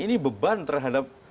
ini beban terhadap